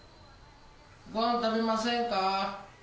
ごはん食べませんか。